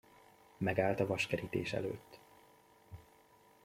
Megállt a vaskerítés előtt.